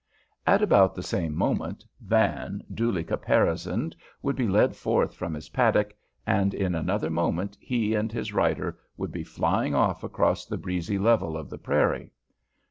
At about the same moment Van, duly caparisoned, would be led forth from his paddock, and in another moment he and his rider would be flying off across the breezy level of the prairie.